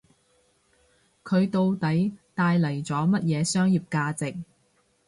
佢到底帶嚟咗乜嘢商業價值